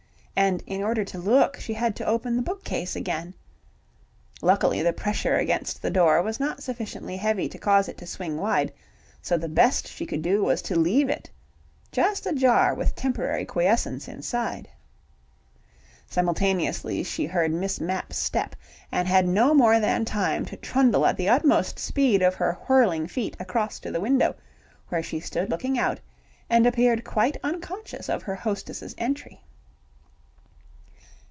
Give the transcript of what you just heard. And in order to look, she had to open the bookcase again. ... Luckily the pressure against the door was not sufficiently heavy to cause it to swing wide, so the best she could do was to leave it just ajar with temporary quiescence inside. Simultaneously she heard Miss Mapp's step, and had no more than time to trundle at the utmost speed of her whirling feet across to the window, where she stood looking out, and appeared quite unconscious of her hostess's entry.